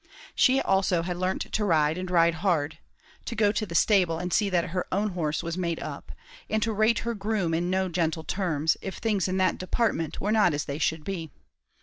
She also had learnt to ride, and ride hard to go to the stable and see that her own horse was made up and to rate her groom in no gentle terms, if things in that department were not as they should be.